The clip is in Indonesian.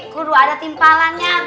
kalo ada timpalannya